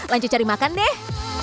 lanjut cari makan deh